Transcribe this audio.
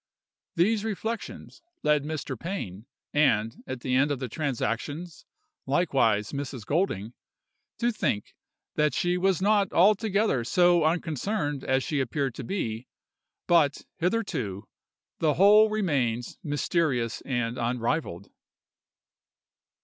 These reflections led Mr. Pain (and, at the end of the transactions, likewise Mrs. Golding) to think that she was not altogether so unconcerned as she appeared to be; but, hitherto, the whole remains mysterious and unrivalled.